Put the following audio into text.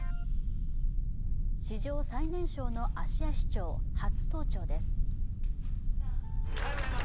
史上最年少の芦屋市長、初登庁です。